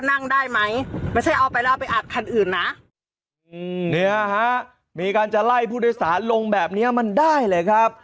นี่ฮะมีการจะไล่ผู้โดยสารลงแบบนี้มันได้เลยครับ